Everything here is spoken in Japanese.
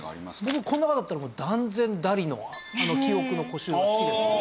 僕この中だったら断然ダリのは『記憶の固執』が好きですね。